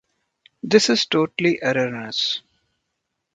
That is totally erroneous.